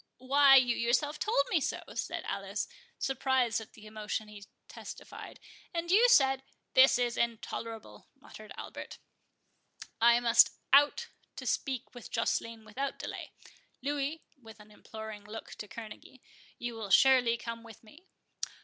"Why, you yourself told me so," said Alice, surprised at the emotion he testified; "and you said"— "This is intolerable," muttered Albert; "I must out to speak with Joceline without delay—Louis," (with an imploring look to Kerneguy,) "you will surely come with me?"